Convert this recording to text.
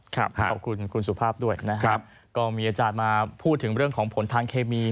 ขอบคุณคุณสุภาพด้วยนะครับก็มีอาจารย์มาพูดถึงเรื่องของผลทางเคมี